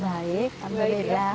baik selamat berjaya